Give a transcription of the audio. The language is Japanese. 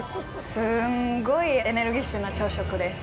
すんごいエネルギッシュな朝食です